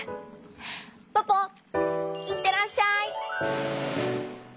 ポポいってらっしゃい！